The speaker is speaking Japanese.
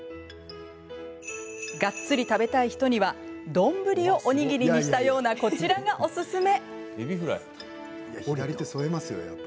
がっつり食べたい人には丼をおにぎりにしたようなこちらがおすすめ。